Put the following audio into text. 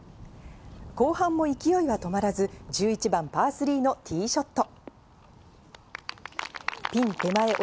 後半も勢いは止まらず、１１番パー３のティーショット。